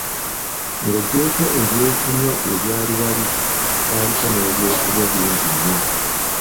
Ng’oggyeeko ebyokunywa ebyali wali, kwaliko n’ebyokulya bingi nnyo.